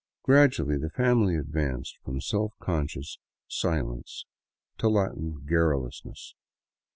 Gradually the family advanced from self conscious silence to Latin garrulousness.